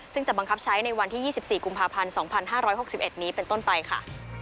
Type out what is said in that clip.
ซึ่งจะบังคับใช้ในวันที่๒๔กุมภาพันธ์๒๕๖๑นี้เป็นต้นไปค่ะ